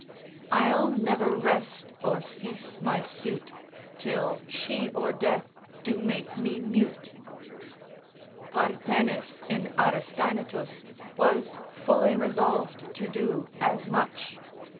I'll never rest or cease my suit Till she or death do make me mute. Parthenis in Aristaenetus was fully resolved to do as much.